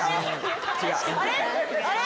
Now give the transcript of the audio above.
あれ？